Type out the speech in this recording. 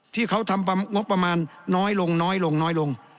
ที่เขาทำงบประมาณน้อยลง